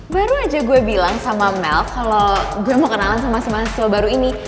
baru aja gue bilang sama mel kalo gue mau kenalan sama masalah baru ini